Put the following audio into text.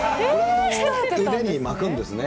腕に巻くんですね。